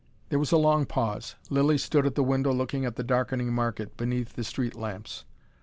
There was a long pause. Lilly stood at the window looking at the darkening market, beneath the street lamps.